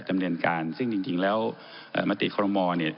ดำเรียนการซึ่งจริงจริงแล้วอ่ามาตรีครมเนี่ย